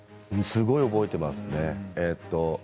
すごい覚えてますね。